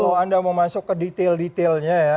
kalau anda mau masuk ke detail detailnya ya